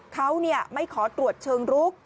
เขาไม่ขอตรวจเชิงรุก